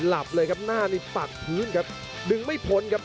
หลับเลยครับหน้านี่ปักพื้นครับดึงไม่พ้นครับ